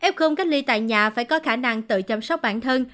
f cách ly tại nhà phải có khả năng tự chăm sóc bản thân